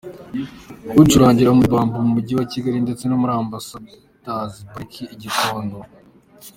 Icurangira muri Bamboo mu mujyi wa Kigali ndetse no muri Ambasadazi Pariki i Gikondo.